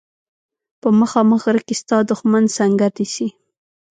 په مخامخ غره کې ستا دښمن سنګر نیسي.